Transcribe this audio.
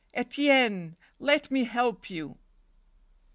Etienne, let me help you."